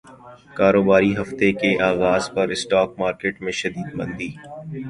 کاروباری ہفتے کے اغاز پر اسٹاک مارکیٹ میں شدید مندی